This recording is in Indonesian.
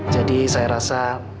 jadi saya rasa